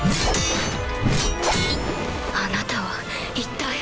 あなたは一体。